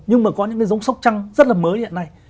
nhưng mà có những cái giống sóc trăng rất là mới hiện nay